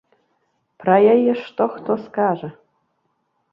Пра яе што хто скажа.